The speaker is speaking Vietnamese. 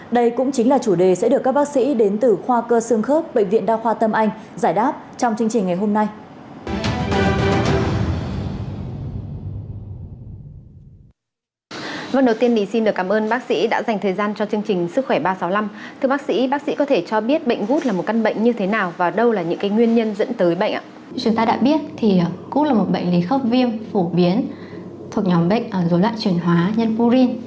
đây cũng chính là chủ đề sẽ được các bác sĩ đến từ khoa cơ sương khớp bệnh viện đa khoa tâm anh giải đáp trong chương trình ngày hôm nay